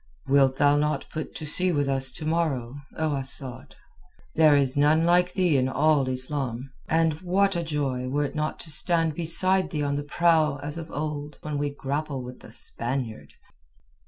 "Wilt thou not put to sea with us to morrow, O Asad? There is none like thee in all Islam, and what a joy were it not to stand beside thee on the prow as of old when we grapple with the Spaniard."